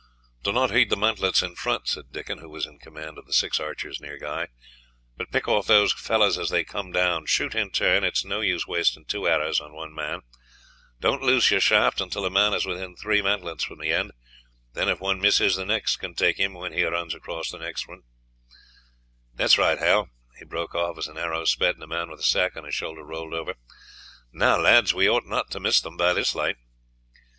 "Do not heed the mantlets in front," said Dickon, who was in command of the six archers near Guy, "but pick off those fellows as they come down. Shoot in turn; it is no use wasting two arrows on one man. Don't loose your shaft until a man is within three mantlets from the end; then if one misses, the next can take him when he runs across next time. That is right, Hal," he broke off, as an arrow sped and a man with a sack on his shoulder rolled over. "Now, lads, we ought not to miss them by this light."